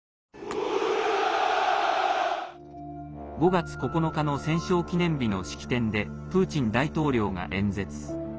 ５月９日の戦勝記念日の式典でプーチン大統領が演説。